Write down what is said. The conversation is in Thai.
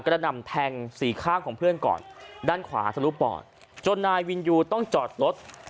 หนำแทงสี่ข้างของเพื่อนก่อนด้านขวาทะลุปอดจนนายวินยูต้องจอดรถ